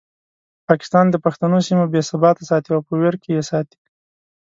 پاکستان د پښتنو سیمه بې ثباته ساتي او په ویر کې یې ساتي.